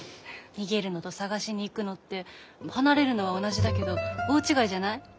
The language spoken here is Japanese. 逃げるのと探しに行くのって離れるのは同じだけど大違いじゃない？